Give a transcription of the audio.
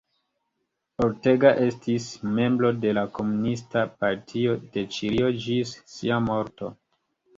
Ortega estis membro de la Komunista Partio de Ĉilio ĝis sia morto.